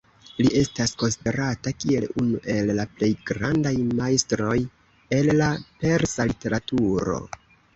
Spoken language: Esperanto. Li estas konsiderata kiel unu el la plej grandaj majstroj el la persa literaturo.